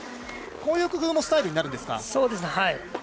こういう工夫もスタイルになるんですか。